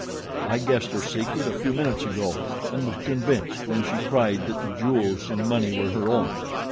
I guessed her secret a few minutes ago and was convinced when she cried that the jewels and money were her own.